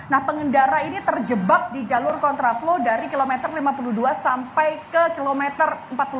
nah pengendara ini terjebak di jalur kontraflow dari kilometer lima puluh dua sampai ke kilometer empat puluh dua